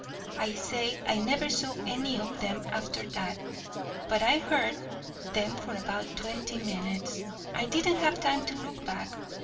I say I never saw any of them after that; but I heard them for about twenty minutes. I didn't have time to look back.